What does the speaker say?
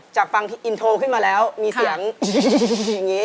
จากฟังที่อินโทล์ขึ้นมาแล้วมีเสียงอย่างงี้